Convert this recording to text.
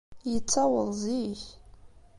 Yettaweḍ zik.